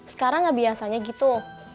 sekarang enggak biasanya gitu